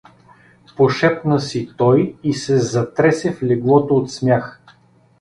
“— пошепна си той и се затресе в леглото от смях.